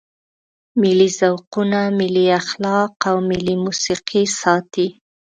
ملي ذوقونه، ملي اخلاق او ملي موسیقي ساتي.